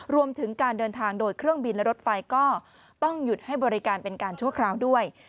รวมถึงการเดินทางโดยเครื่องบินและรถไฟก็ต้องหยุดให้บริการเป็นการชั่วคราวด้วย